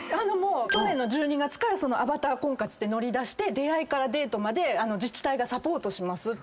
去年の１２月からアバター婚活って乗り出して出会いからデートまで自治体がサポートしますって。